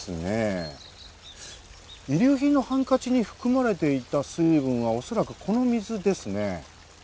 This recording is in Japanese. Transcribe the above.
遺留品のハンカチに含まれていた水分は恐らくこの水ですね。